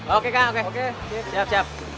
oke kak oke oke siap siap